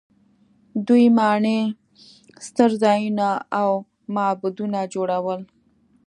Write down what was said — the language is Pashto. دوی ماڼۍ، ستر ځایونه او معبدونه جوړول.